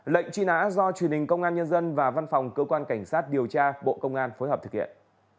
lệnh truy nã do truyền hình công an nhân dân và văn phòng cơ quan cảnh sát điều tra bộ công an phối hợp thực hiện